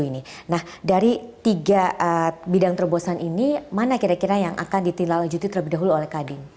nah dari tiga bidang terobosan ini mana kira kira yang akan ditilajuti terlebih dahulu oleh kadin